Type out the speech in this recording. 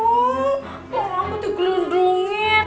orang aku digelundungin